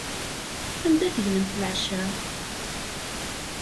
Anda tegnemt leɛca?